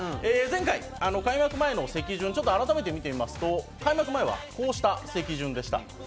前回開幕前の席順ちょっと改めて見てますと開幕前はこうした席順でした。